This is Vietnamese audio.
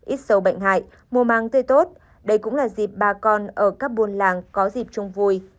ít sâu bệnh hại mùa màng tươi tốt đây cũng là dịp bà con ở các buôn làng có dịp chung vui